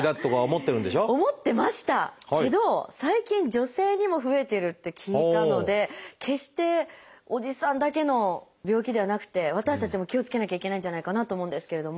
思ってましたけど最近女性にも増えてるって聞いたので決しておじさんだけの病気ではなくて私たちも気をつけなきゃいけないんじゃないかなと思うんですけれども。